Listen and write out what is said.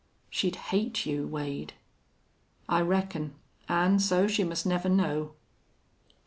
"She'd hate you, Wade." "I reckon. An' so she must never know."